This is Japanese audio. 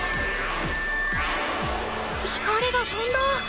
光がとんだ！